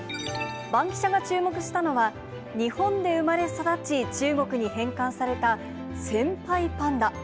バンキシャが注目したのは、日本で生まれ育ち、中国に返還された、先輩パンダ。